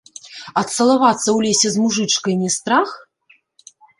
А цалавацца ў лесе з мужычкай не страх?